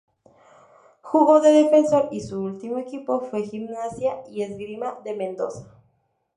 Jugó de defensor y su último equipo fue Gimnasia y Esgrima de Mendoza.